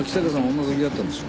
女好きだったんでしょ？